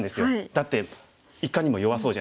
だっていかにも弱そうじゃないですか。